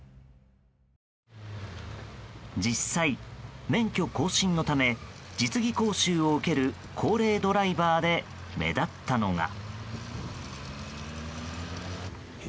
実際、免許更新のため実技講習を受ける高齢ドライバーで目立ったのが。